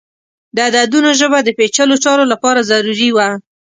د عددونو ژبه د پیچلو چارو لپاره ضروری وه.